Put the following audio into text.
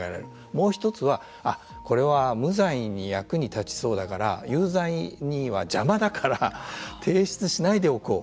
もう一つはあっ、これは無罪に役に立ちそうだから有罪には邪魔だから提出しないでおこう。